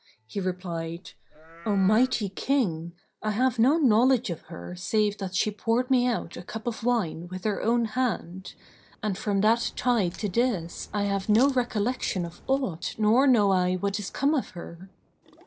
He replied, "O mighty King, I have no knowledge of her save that she poured me out a cup of wine with her own hand; and from that tide to this I have no recollection of aught nor know I what is come of her."